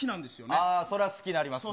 ああ、それは好きになりますね。